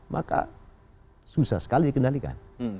maka susah sekali dikenalikan